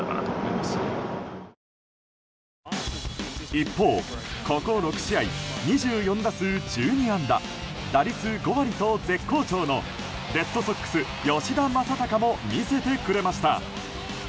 一方、ここ６試合２４打数１２安打、打率５割と絶好調のレッドソックス、吉田正尚も魅せてくれました。